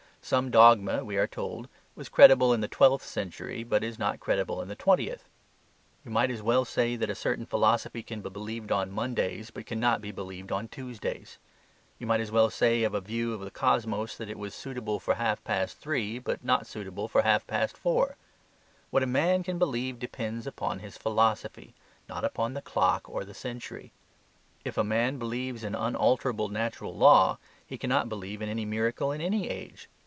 Some dogma, we are told, was credible in the twelfth century, but is not credible in the twentieth. You might as well say that a certain philosophy can be believed on Mondays, but cannot be believed on Tuesdays. You might as well say of a view of the cosmos that it was suitable to half past three, but not suitable to half past four. What a man can believe depends upon his philosophy, not upon the clock or the century. If a man believes in unalterable natural law, he cannot believe in any miracle in any age.